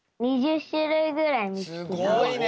すごいね。